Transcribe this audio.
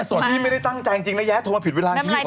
แย้นี่ไม่ได้ตั้งใจจริงนะแย้โทรมาผิดเวลาอย่างนี้ขอโทษ